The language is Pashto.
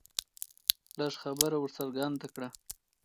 لږ خبره ور څرګنده کړه